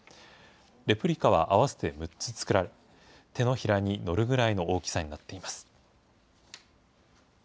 レプリカは合わせて６つ作られ、手のひらにのるぐらいの大きさになっています。